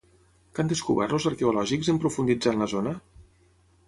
Què han descobert, els arqueològics, en profunditzar en la zona?